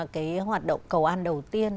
cái hoạt động cầu an đầu tiên